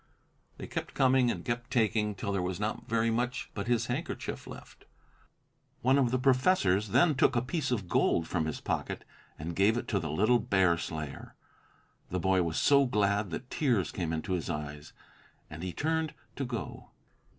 They kept coming and kept taking, till there was not very much but his handkerchief left. One of the professors then took a piece of gold from his pocket and gave it to the little Bear Slayer. The boy was so glad that tears came into his eyes and he turned to go.